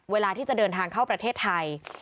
เวลาที่จะเดินทางเข้าประเทศไทย